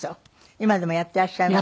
今でもやってらっしゃいます？